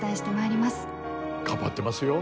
頑張ってますよ